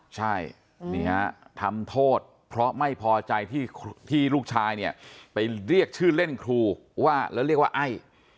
ใช่นี่ฮะทำโทษเพราะไม่พอใจที่ลูกชายเนี่ยไปเรียกชื่อเล่นครูว่าแล้วเรียกว่าไอ้